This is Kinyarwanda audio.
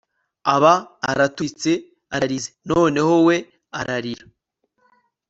aba araturitse ararize noneho we ararira